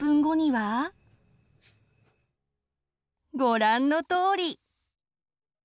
ご覧のとおり！